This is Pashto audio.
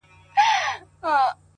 o د چا غمو ته به ځواب نه وايو؛